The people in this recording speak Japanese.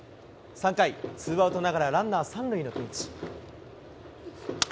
３回、ツーアウトながらランナー３塁のピンチ。